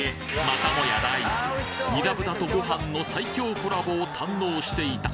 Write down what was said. またもやライスにら豚とご飯の最強コラボを堪能していた